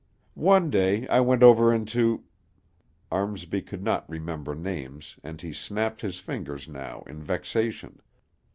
One day I went over into " Armsby could not remember names, and he snapped his fingers now in vexation.